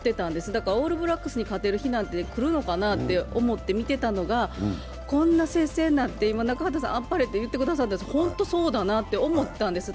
だからオールブラックスに勝てる日なんて来るのかなと思って見てたのがこんな接戦になって中畑さんあっぱれっておっしゃってくださって本当にそうだなと思ったんです。